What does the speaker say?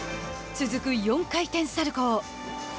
続く４回転サルコー。